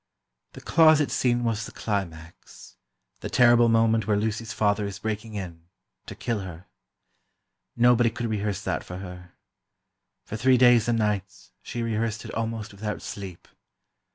The closet scene was the climax—the terrible moment where Lucy's father is breaking in, to kill her. Nobody could rehearse that for her. For three days and nights, she rehearsed it almost without sleep.